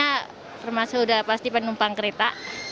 karena termasuk udah pasti penumpang kereta